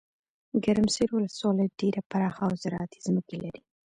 ګرمسیرولسوالۍ ډیره پراخه اوزراعتي ځمکي لري.